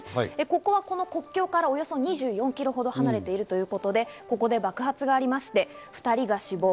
ここはこの国境からおよそ２４キロほど離れているということで、ここで爆発がありまして、２人が死亡。